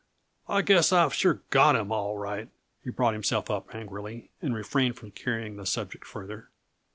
I guess I've sure got 'em, all right!" he brought himself up angrily, and refrained from carrying the subject farther.